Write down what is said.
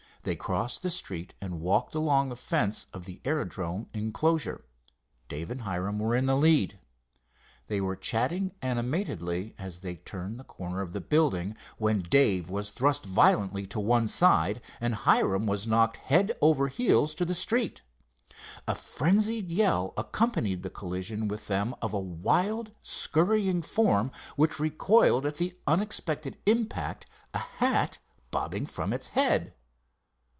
They crossed the street and walked along the fence of the aerodrome enclosure. Dave and Hiram were in the lead. They were chatting animatedly as they turned the corner of the building, when Dave was thrust violently to the side and Hiram was knocked head over heels to the street. A frenzied yell accompanied the collision with them of a wild, scurrying form, which recoiled at the unexpected impact, a hat bobbing from its head.